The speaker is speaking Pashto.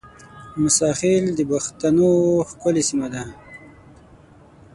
موساخېل د بښتنو ښکلې سیمه ده